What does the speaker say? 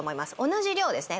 同じ量ですね